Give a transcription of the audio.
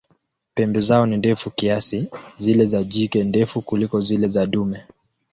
Pembe zao ni ndefu kiasi, zile za jike ndefu kuliko zile za dume.